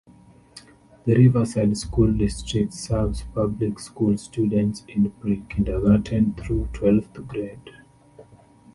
The Riverside School District serves public school students in pre-kindergarten through twelfth grade.